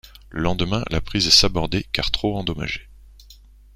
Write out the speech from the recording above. Le lendemain, la prise est sabordée car trop endommagée.